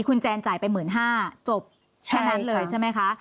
คุณแจนจ่ายไปหมื่นห้าจบแค่นั้นเลยใช่ไหมคะ